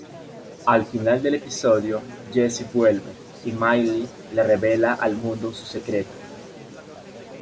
Al final del episodio, Jesse vuelve y Miley le revela al mundo su secreto.